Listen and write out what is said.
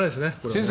先生